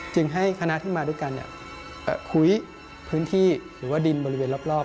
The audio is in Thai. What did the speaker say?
จึงให้คณะที่มาด้วยกันคุยพื้นที่หรือว่าดินบริเวณรอบ